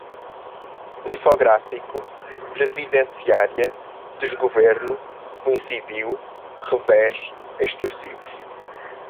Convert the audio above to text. Infográfico, previdenciária, desgoverno, coincidiu, revés, extorsivos